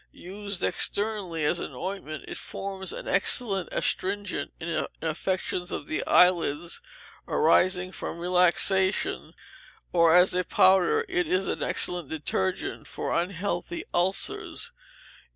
Used externally, as an ointment, it forms an excellent astringent in affections of the eyelids, arising from relaxation; or as a powder, it is an excellent detergent for unhealthy ulcers.